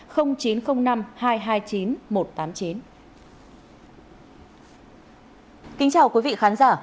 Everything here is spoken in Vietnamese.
kính chào quý vị khán giả